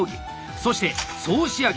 そして総仕上げ！